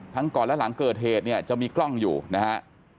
ก่อนและหลังเกิดเหตุเนี่ยจะมีกล้องอยู่นะฮะ